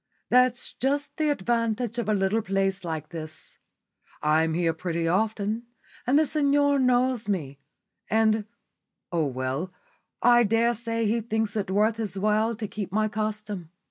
"That's just the advantage of a little place like this. I'm here pretty often, and the signor knows me; and oh, well, I daresay he thinks it worth his while to keep my custom.